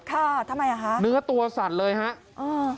ค่ะทำไมครับคะเนื้อตัวสัดเลยครับ